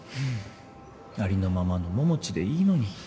ありのままの桃地でいいのに。